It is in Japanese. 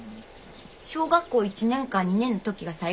小学校１年か２年の時が最後や。